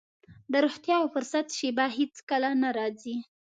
د روغتيا او فرصت شېبه هېڅ کله نه راځي.